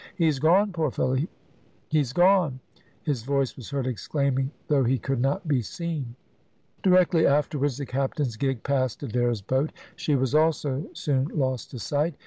"He's gone, poor fellow, be's gone!" his voice was heard exclaiming, though he could not be seen. Directly afterwards the captain's gig passed Adair's boat. She was also soon lost to sight.